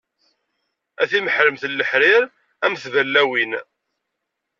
A timeḥremt n leḥrir, a mm tballawin.